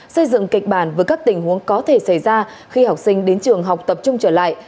xây dựng kịch bản với các tình huống có thể xảy ra khi học sinh đến trường học tập trung trở lại